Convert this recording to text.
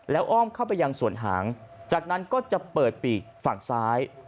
แล้วอ้อมเข้าไปยังส่วนหางจากนั้นก็จะเปิดปีกฝั่งซ้าย